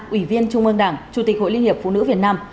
ủy viên trung ương đảng chủ tịch hội liên hiệp phụ nữ việt nam